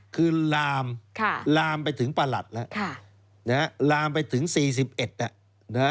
คือลามไปถึงประหลัดแล้ว